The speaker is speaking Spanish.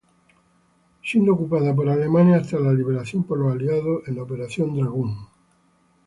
Siendo ocupada por Alemania hasta la liberación por los aliados en la Operación Dragoon.